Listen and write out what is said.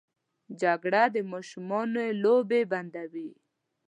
جګړه د ماشومانو لوبې بندوي